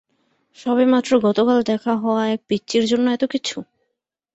সবেমাত্র গতকাল দেখা হওয়া এক পিচ্চির জন্য এতকিছু?